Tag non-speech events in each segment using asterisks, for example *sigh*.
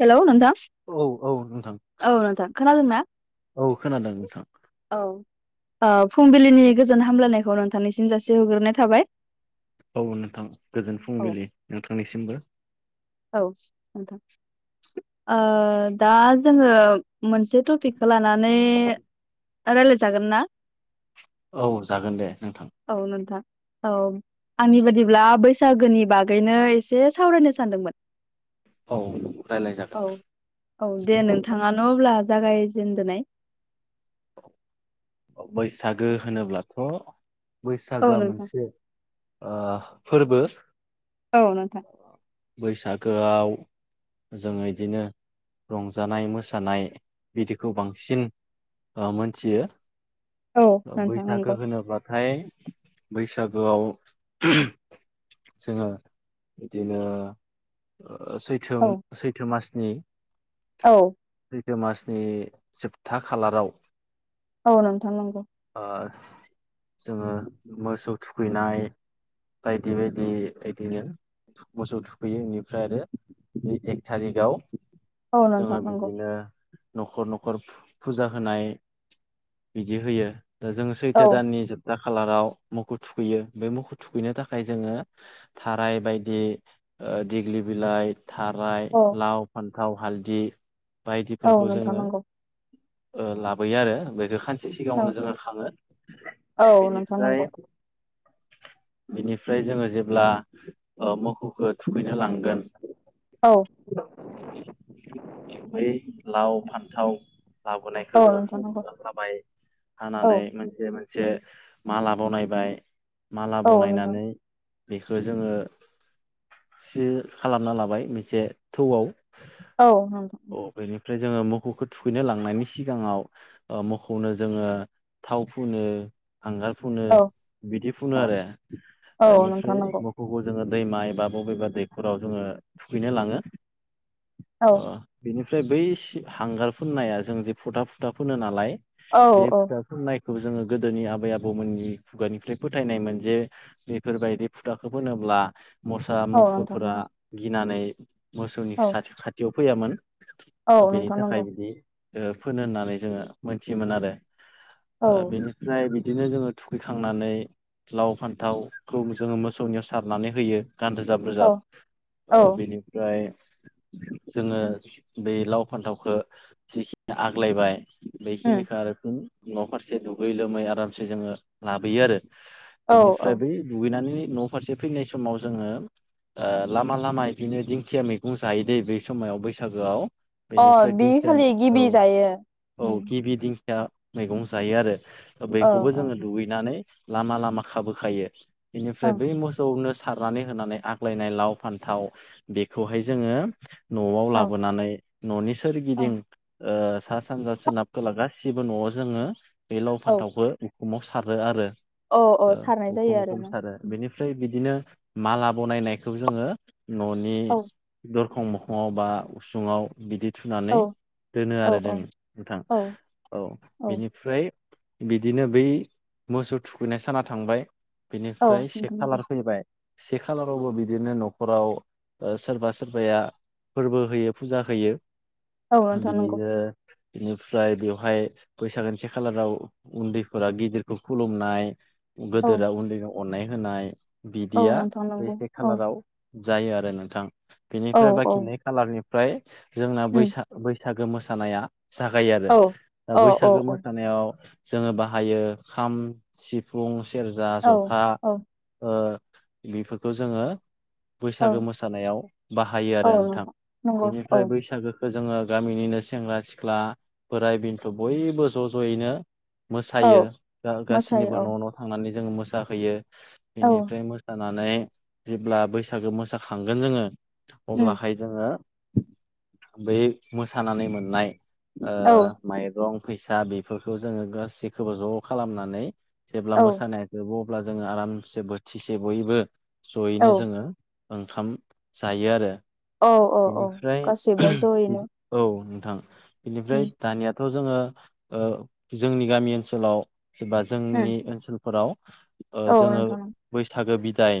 Hello नोंथां औ औ नोंथां औ नोंथां खोनादोंना? औ खोनादों नोंथां औ ओ फुंबिलिनि गोजोन हामलायनायखौ नोंथांनिसिम जासि हरग्रोनाय थाबाय। औ नोंथां गोजोन औ फुंबिलि नोंथांनिसिमबो। औ ओ दा जोङो मोनसे टपिकखो लानानै रायलायजागोन ना? औ जागोन दे नोंथां। औ नोंथां औ आंनि बादिब्ला बैसागोनि बागैनो एसे सावरायनो सानदोंमोन। औ रायलाय जागोन औ औ दे नोंथाङानो अब्ला जागायजेनदनाय बैसागो होनोब्लाथ' औ बैसागोआ नोंथां मोनसे ओ फोरबो औ नोंथां। बैसागोआव। जोङो इदिनो रंजानाय मोसानाय बिदिखौ बांसिन ओ मोनथियो। औ नोंथां बैसागो नंगौ होनोब्लाथाय बैसागोआव जोङो बिदिनो ओ सै थोम औ सैथो मासनि। औ। सैथो मासनि जोबथा खालाराव। औ नोंथां नंगौ। ओ जोङो मोसौ थुखैनाय। बायदि बायदि बिदिनो। मोसौ थुखैयो बेनिफ्राय आरो बे एक थारिगाव। औ जोंहा नोंथां नंगौ बिदिनो। न'खर न'खर फुजा होनाय बिदि होयो दा जों औ सैथो दाननि जोब था खालाराव मोखौ थुखैयो, बे मोखौ थुखैनो थाखाय जोङो थाराय बायदि ओ दिग्लि बिलाइ। थाराय औ लाव फान्थाव हालदि औ बायदिफोरखौ नोंथां जोङो नंगौ ओ लाबोयो आरो बेखौ खानसे औ सिगाङावनो जोङो खाङो। औ नोंथां बेनिफ्राय *inaudible* बिनिफ्राय जोङो जेब्ला ओ मोखौखो जोंङो थुखैनो लांगोन। औ बै लाव फान्थाव। औ लाबोनायखो जोङो फु नोंथां नंगौ हाबाय औ हानानै मोनसे से माला बनायबाय माला औ नोंथां बनायनानै बेखो जोङो सि खालामना लाबाय मोनसे थौआव। औ नंगौ अ बेनिफ्राय जोङो मोखौखो थुखैनो लांनायनि सिगाङाव। ओ मोखौनो जोङो थाव फुनो। हांगार फुनो औ बिदि फुनो औ आरो औ नोंथां बेनिफ्राय। नंगौ खौबो जोङो दैमा एबा बबेबा दैखराव जोङो थुखैनो लाङो। औ ओ बिनिफ्राय बै हांगार फोननाया जों जे फुथा फुथा फोनो नालाय औ बे औ फुथा फुननायखौ जोङो गोदोनि आबै आबौमोननि खुगानिफ्राय फोथायनायमोन जे बेफोरबायदि फुथाखौ फोनोब्ला मोसा औ नोंथां मुफुरफोरा नंगौ गिनानै मोसौनि औ खाथियाव फैयामोन औ बेनि नोंथां थाखाय नंगौ बिदि ओ फोनो होननानै जोङो मोनथियोमोन आरो औ ओ बेनिफ्राय बिदिनो जोङो थुखैखांनानै लाव फान्थावखौ जोङो मोसौनियाव सारनानै होयो गान रोजाब औ रोजाब औ ओ बेनिफ्राय जोङो बे लाव फान्थावखौ जिखिनि आग्लायबाय उम बेखिनिखौ आरो न' फारसे दुगै लोमै आरामसे जोङो लाबोयो आरो औ औ बेनिफ्राय बै दुगैनानै न' फारसे फैनाय समाव जोङो ओ लामा लामा बिदिनो दिंखिया मैगं जायो दै बै समाव बैसागोआव अ बेनिफ्राय दिंखिया बिखालि औ गिबि जायो औ गिबि दिंखिया मैगं जायो आरो औ बैखौबो जोङो दुगैनानै लामा लामा खाबोखायो बेनिफ्राय ओं बै मोसौनो सारनानै होनानै आग्लायनाय लाव फान्थाव बेखौहाय जोङो। न'आव औ लाबोनानै न'नि सोरगिदिं ओ सा सानजा सोनाब खोला गासिबो न'आव जोङो बे लाव औ फान्थावखौ उखुमाव सारो आरो औ औ ओ सारनाय उखुम जायो आरो उखुम नों सारो बेनिफ्राय बिदिनो माला बनायनायखौ जोङो न'नि औ खं मोखाङाव बा उसुङाव बिदि औ थुनानै दोनो औ आरो दों नोंथां औ औ औ बेनिफ्राय बिदिनो बै मोसौ थुखैनाय साना थांबाय औ बिनिफ्राय से नोंथां नंगौ खालार फैबाय से खालारावबो बिदिनो न'खराव सोरबा सोर बाया फोरबो होयो फुजा होयो औ नोंथां नंगौ बिनिनो बेनिफ्राय बेवहाय बैसागोनि से खालाराव उन्दैफोरा गिदिरखौ खुलुमनाय औ गोदोरा उन्दैखौ अननाय होनाय औ बिदिया नोंथां बे नंगौ से औ खालाराव जायो आरो नोंथां औ बेनिफ्राय औ बाखि नै खालारनिफ्राय जोंना उम बैसा बैसागो मोसानाया जागायो आरो औ दा औ औ बैसागो औ मोसानायाव जोङो बाहायो खाम सिफुं सेरजा औ जथा औ बेफोरखौ जोङो औ बैसागो मोसानायाव बाहायो औ आरो नोंथां नंगौ औ बेनिफ्राय बैसागो जोङो गामिनिनो सेंग्रा सिख्ला बोराय बेन्थ' बयबो ज' ज'यैनो औ मोसायो गासैनिबो मोसायो न' न' थांनानै जों मोसाहैयो औ बेनिफ्राय जानानै जेब्ला बैसागो मोसाखांगोन जोङो उम अब्लाहाय जोङो बै मोसानानै मोननाय औ माइरं फैसा बेफोरखौ जोङो गासैखौबो ज' खालामनानै जेब्ला औ मोसानाय जोबो अब्ला जोङो आरामसे बोथिसे बयबो जयैनो औ जोङो ओंखाम जायो आरो औ औ औ बेनिफ्राय गासैबो जयैनो औ नोंथां बेनिफ्राय उम दानिया थ' जोङो जोंनि गामि ओनसोलाव एबा उम जोंनि ओनसोल फोराव औ जोङो नोंथां बैसागो बिदाय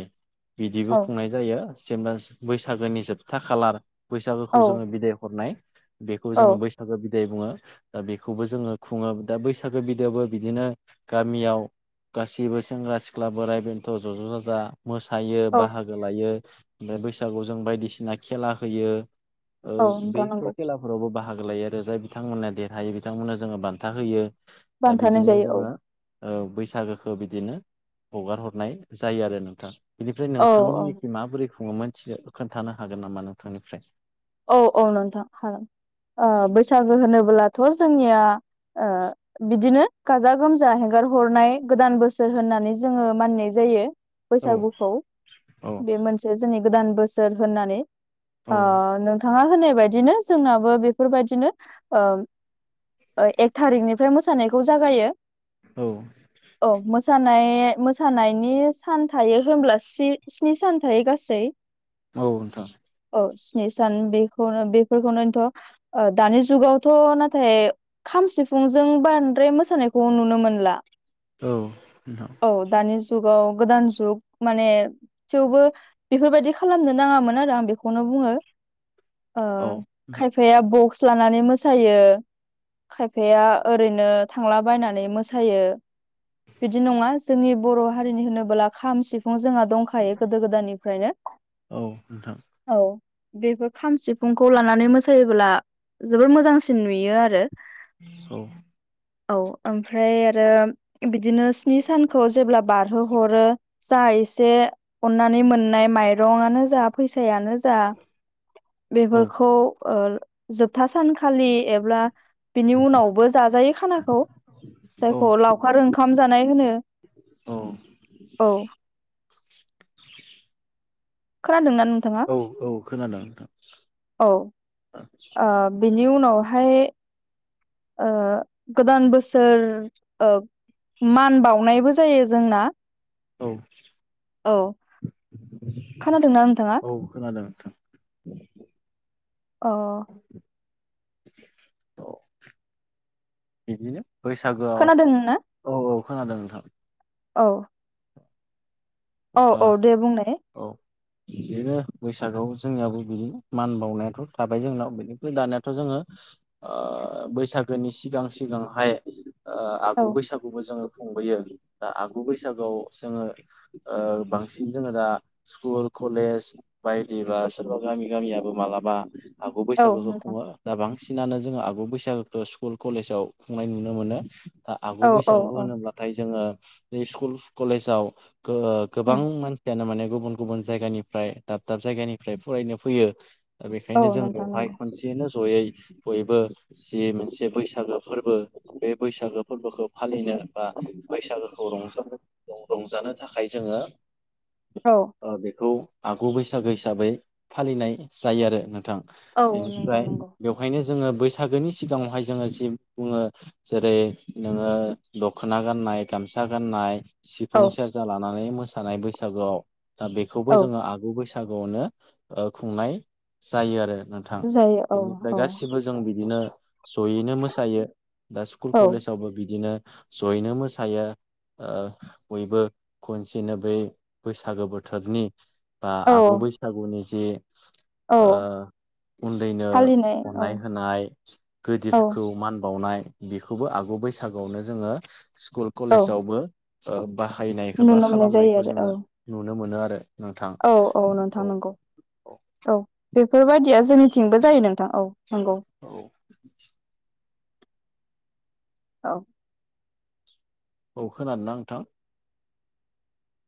बिदिबो औ खुंनाय जायो जेनेबा बैसागोनि जोबथा खालार बैसागोखौ औ जोङो बिदाय हरनाय बेखौ औ जोङो बैसागो बिदाय बुङो दा बेखौबो जोङो खुङो दा बैसागो बिदोआवबो बिदिनो गामियाव गासिबो सेंग्रा सिख्ला बोराइ बेन्थ' ज'ज' जाजा मोसायो औ बाहागो लायो ओमफ्राय बैसागुआव जों बायदिसिना खेला होयो औ नोंथां बैफोर नंगौ खेलाफो फोरावबो बाहागो लायो आरो जाय बिथांमोनहा देरहायो बिथांमोननो जोङो बान्था होयो दा बान्थानो बिदिनो जायो औ जोङो बैसागोखौ बिदिनो हगार हरनाय जायो आरो नोंथां बिनिफ्राय औ औ नोंथांमोननिखि माबोरै खुङोमोन मिथिगो खोन्थानो हागोन नामा नोंथांनिफ्राय औ औ नोंथां हागोन बैसागो होनोबोलाथ' जोंनिया ओ बिदिनो गाजा गोमजा हेंगार हरनाय गोदान बोसोर होननानै जोङो मानिनाय जायो औ बैसागुखौ औ बे मोनसे जोंनि गोदान बोसोर होननानै औ ओ थाङा होनाय बायदिनो जोंनाबो बेफोरबायदिनो ओ एक थारिकनिफ्राय मोसानायखौ जागायो औ औ मोसानाय मोसानायनि सान थायो होनब्ला स्नि सान थायो गासै *inaudible* औ नोंथां औ स्नि सान बेखौनो बेफोरखौनोथ' दानि जुगावथ' नाथाय खाम सिफुंजों बांद्राय मोसानायखौ नुनो मोनला औ नोंथां औ दानि जुगाव गोदान जुग माने थेवबो बेफोरबायदि खालामनो नाङामोन आरो आं बेखौनो बुङो औ नोंथां खायफाया बक्स लानानै मोसायो खायफाया ओरैनो थांलाबायनानै मोसायो बिदि नङा जोंनि बर' हारिनि होनबोला खाम सिफुं जोंहा दं खायो गोदो गोदायनिफ्रायनो औ नोंथां औ बेफोर खाम सिफुंखौ लानानै मोसायोब्ला जोबोर मोजांसिन नुयो आरो औ औ ओमफ्राय आरो बिदिनो स्नि सानखौ जेब्ला बार हो हरो जा एसे अननानै मोननाय माइरङानो जा फैसायानो जा औ बेफोरखौ जोबथा सानखालि एब्ला बिनि उनावबो जाजायो खानाखौ औ जायखौ लाव खार ओंखाम जानाय होनो औ औ खोनादों ना नों औ औ खोनादों नोंथां औ बिनि उनावहाय ओ गोदान बोसोर ओ मान बावनायबो जायो जोंना औ औ खोनादोंना नोंथाङा औ खोनादों नोंथां अ औ बिदिनो बैसागोआव खोनादों ना औ औ खोनादों नोंथां औ औ बा औ दे बुंनाय औ बिदिनो बैसागआव जोंनियाबो बिदि मान बावनायाथ' थाबाय जोंनाव बेनिफ्राय दानियाथ' जोङो ओ बैसागोनि सिगां सिगांहाय औ आगु बैसागुबो जोङो खुंबोयो दा आगु बैसागुआव जोङो बांसिन जोङो दा स्कुल कलेज बायदिबा सोरबा गामि गामियाबो मालाबा हागु औ बैसागुखौ नोंथां खुङो दा बांसिनानो जोङो आगु बैसागोखौ स्कुल कलेजाव खुंनाय नुनो मोनो दा आगु औ औ बैसागु औ होनोब्लाथाय जोङो बे स्कुल कलेजाव गो गोबां उम मानसियानो माने गुबुन गुबुन जायगानि फ्राय दाब दाब जायगानिफ्राय फरायनो फैयो दा औ बेनिखायनो जों नोंथां बेवहाय नंगौ खनसे जनो जयै बयबो जि मोनसे बैसागो फोरबो बे बैसागो फोरबोखौ फालिनो बा बैसागोखौ रंजानो रंजानो थाखाय जोङो औ बेखौ आगु बैसागो हिसाबै फालिनाय जायो आरो नोंथां औ नोंथां बेनिफ्राय नंगौ बेवहायनो जोङो बैसागोनि सिगाङावहाय जोङो जि बुङो जेरै नोङो दख'ना गाननाय गामसा गाननाय औ सिफुं सेरजा लानानै मोसानाय बैसागुआव दा बेखौबो औ जोङो आगु बैसागुआवनो खुंनाय जायो आरो। थां जायो औ बेनिफ्राय औ गासिबो जों बिदिनो जयैनो मोसायो दा स्कुल औ कलेजावबो बिदिनो जयैनो मोसायो बयबो खनसेनो बै बैसागो बोथोरनि बा आगु औ बैसागुनि जि औ ओ उन्दैनो फालिनाय औ अननाय होनाय औ गोदिरफोरखौ मान बावनाय बेखौबो आगु बैसागुआवनो जोङो स्कुल औ कलेजावबो बाहायनाय नुनो एबा मोननाय जायो खालामनायखौ आरो जोङो औ नुनो मोनो आरो नोंथां औ नोंथां औ नंगौ औ बेफोरबायाददिया जोंनिथिंबो जायो नोंथां औ नंगौ। औ औ औ खोनादों ना नोंथां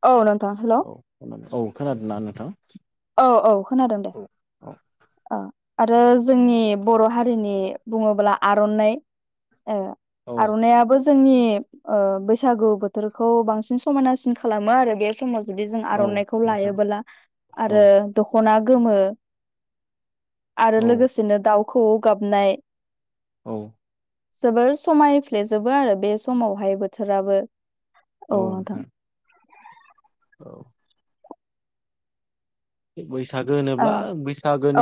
औ नोंथां हेल' औ खोनादों ना नोंथां? औ औ खोनादों दे। औ आरो जोंनि बर' हारिनि बुङोब्ला आर'नाइ ए औ आर'नाइयाबो जोंनि ओ बैसागु बोथोरखौ बांसिन समायनासिन खालामो आरो बे समाव। जुदि जों औ आर'नाइखौ नोंथां लायोबोला औ आरो दखना गोमो आरो औ लोगोसेनो दाउखौवौ गाबनाय औ जोबोर समायफ्लेजोबो आरो बे समावहाय बोथोराबो औ नोंथां। औ बैसागो ओ होनोब्ला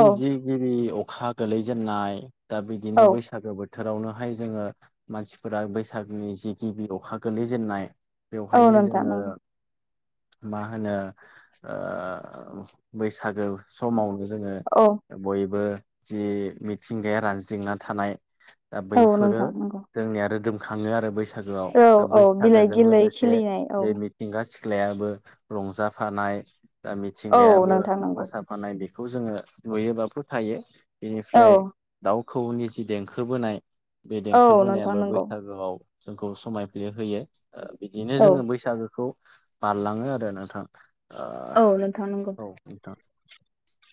औ जि गिबि अखा गोलैजेननाय दा बिदिनो औ बैसागो बो थोरावनोहाय जोङो मानसिफोरा बैसागनि जि गिबि अखा गोलै जेननाय औ बेवहायनो नोंथां जोङो नंगौ मा होनो ओ बैसागो समावनो जोङो औ बयबो जि मिथिंगाया रानज्रिंना थानाय दा औ बैफोरो नोंथां नंगौ जोंनिया रोदोमखाङो आरो बैसागोआव औ दा औ बिलाइ बैसागोजों गिलै लोगोसे खिलिनाय औ बे मि मिथिंगा सिख्लायाबो रंजाफानाया औ मिथिंगायाबो नोंथां नांगौ फानाय बेखौ जोङो नुयोबा फोथायो औ बेनिफ्राय दाउखौवौनि जि देंखोबोनाय बे औ देंखो नोंथां बोनायाबो नंगौ बैसागोआव जोंखौ समायफ्ले होयो बिदिनो औ जोङो बैसागोखौ बारलाङो आरो नोंथां औ नोंथां नंगौ। औ नोंथां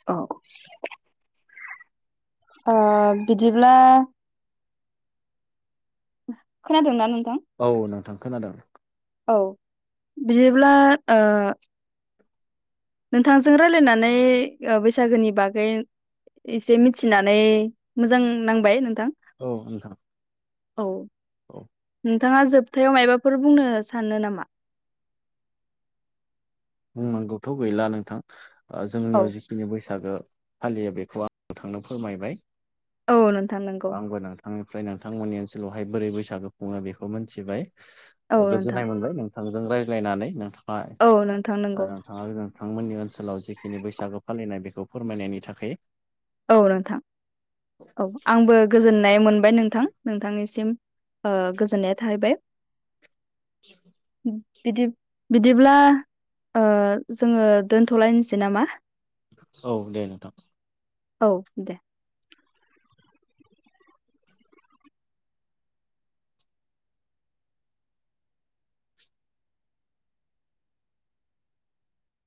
औ बिदिब्ला खोनादों ना नोंथां औ नोंथां खोनादों औ बिदिब्ला ओ नोंथांजों रायलायनानै बैसागोनि बागै एसे मिथिनानै मोजां नांबाय नोंथां औ नोंथां औ औ नोंथाङा जोबथायाव मायबाफोर बुंनो सानो नामा बुंनांगौथ' गैला नोंथां औ जोंनियाव जि खिनि बैसागो फालियो बेखौ आं थांनो फोरमायबाय औ नोंथां नंगौ आंबो नोंथां निफ्राय नोंथांमोननि ओनसोलावहाय बोरै बैसागु खुङो बेखौ मिथिबाय औ नोंथां गोजोननाय मोनबायों थांजों रायज्लायनानै नोंथाङा औ नोंथां नंगौ नोंथांमोननि ओनसोलाव जिखिनि बैसागो फालिनाय बेखौ फोरमायनायनि थाखाय औ नोंथां औ आंबो गोजोननाय मोनबाय नोंथां नोंथांनिसिम ओ गोजोननाय थाहैबाय। *inaudible* बिदि बिदिब्ला जोङो दोनथ'लायनोसै नामा औ दे नोंथां औ दे